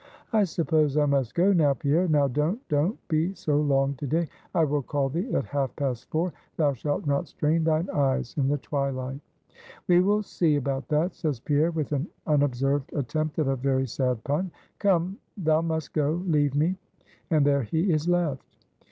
"I suppose I must go now, Pierre. Now don't, don't be so long to day. I will call thee at half past four. Thou shalt not strain thine eyes in the twilight." "We will see about that," says Pierre, with an unobserved attempt at a very sad pun. "Come, thou must go. Leave me." And there he is left.